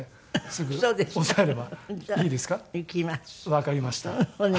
わかりました。